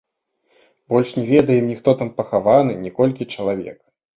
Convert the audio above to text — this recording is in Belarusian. Больш не ведаем ні хто там пахаваны, ні колькі чалавек.